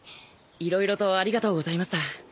色々とありがとうございました。